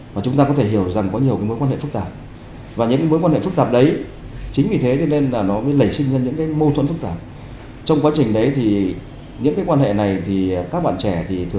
và chính vì thế khi quá trình nó xảy ra